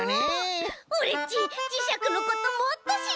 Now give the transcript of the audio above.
オレっちじしゃくのこともっとしりたい！